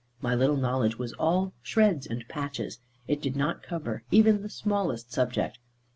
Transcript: My little knowledge was all shreds and patches. It did not cover even the smallest subject.